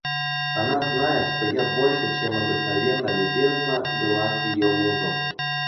Она знает, что я больше, чем обыкновенно, любезна была к ее мужу.